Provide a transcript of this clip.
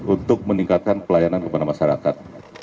untuk meningkatkan pelayanan kepada masyarakat